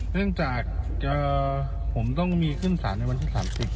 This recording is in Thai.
เนื่องจากผมต้องมีขึ้นสารในวันที่๓๐